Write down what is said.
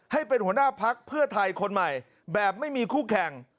ให้เป็นหัวหน้าพักเพื่อไทยคนใหม่แบบไม่มีคู่แข่ง